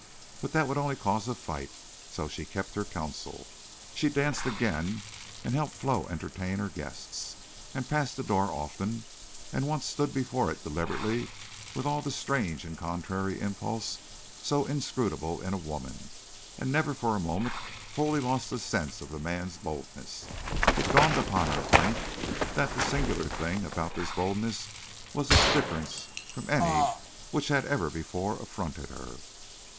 But that would only cause a fight, so she kept her counsel. She danced again, and helped Flo entertain her guests, and passed that door often; and once stood before it, deliberately, with all the strange and contrary impulse so inscrutable in a woman, and never for a moment wholly lost the sense of the man's boldness. It dawned upon her, at length, that the singular thing about this boldness was its difference from any, which had ever before affronted her.